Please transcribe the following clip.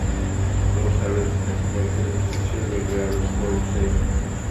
Both parents tested negative and the children were reported stable.